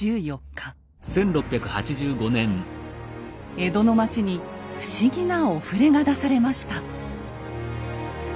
江戸の町に不思議なお触れが出されました。